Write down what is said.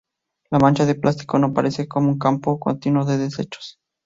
La mancha de plástico no aparece como un campo continuo de desechos.